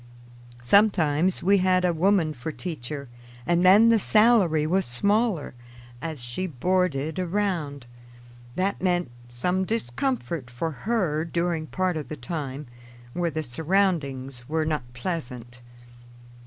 Sometimes we had a woman for teacher, and then the salary was smaller, as she boarded around. That meant some discomfort for her during part of the time, where the surroundings were not pleasant.